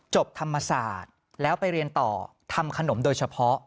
ธรรมศาสตร์แล้วไปเรียนต่อทำขนมโดยเฉพาะ